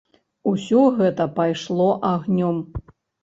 Усё гэта пайшло агнём.